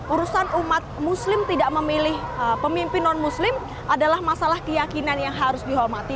urusan umat muslim tidak memilih pemimpin non muslim adalah masalah keyakinan yang harus dihormati